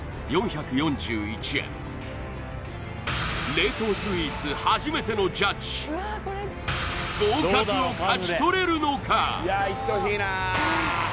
冷凍スイーツ初めてのジャッジ合格を勝ち取れるのか？